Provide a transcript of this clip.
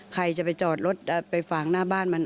ใครจะไปจอดรถไปฝากหน้าบ้านมัน